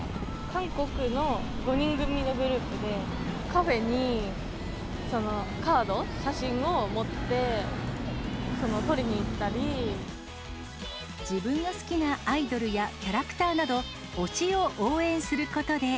韓国の５人組のグループで、カフェにカード、自分が好きなアイドルやキャラクターなど、推しを応援することで。